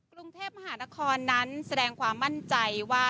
กรุงเทพมหานครนั้นแสดงความมั่นใจว่า